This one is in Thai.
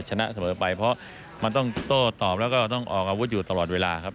ชนะเสมอไปเพราะมันต้องโต้ตอบแล้วก็ต้องออกอาวุธอยู่ตลอดเวลาครับ